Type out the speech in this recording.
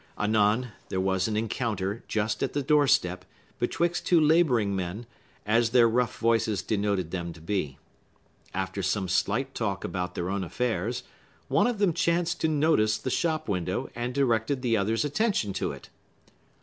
Anon, there was an encounter, just at the door step, betwixt two laboring men, as their rough voices denoted them to be. After some slight talk about their own affairs, one of them chanced to notice the shop window, and directed the other's attention to it.